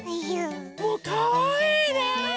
もうかわいいね！